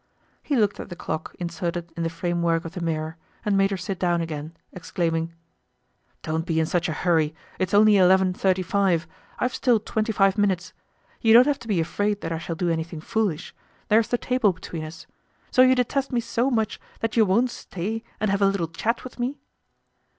He looked at the clock inserted in the frame work of the mirror, and made her sit down again, exclaiming: "Don't be in such a hurry! It's only eleven thirty five. I've still twenty five minutes. You don't have to be afraid that I shall do anything foolish; there's the table between us. So you detest me so much that you won't stay and have a little chat with me."